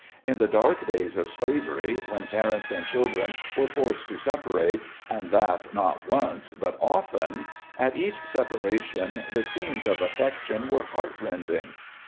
In the dark days of slavery, when parents and children were forced to separate, and that not once, but often, at each separation the scenes of affection were heart rending.